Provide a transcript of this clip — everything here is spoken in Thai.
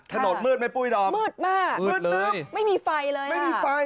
ถนนมืดไหมปุ้ยดอมมืดมากมืดตึ๊บไม่มีไฟเลยไม่มีไฟ